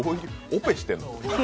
オペしてんの？